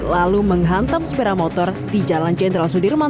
lalu menghantam sepeda motor di jalan jenderal sudirman